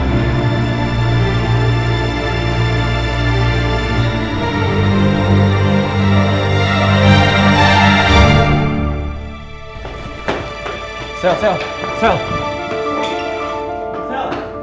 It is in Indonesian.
sampai jumpa di video selanjutnya